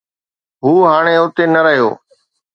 هو هاڻي اتي نه رهيو.